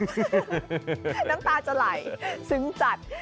น้ำตาจะไหลซึ้งจัด